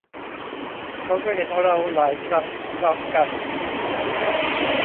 เขาเคยเห็นเราหลายครั้งพร้อมกัน